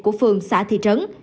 của phương xã thị trấn